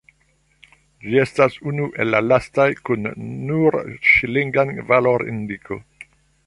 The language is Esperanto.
Ĝi estas unu el la lastaj kun nur ŝilinga valorindiko.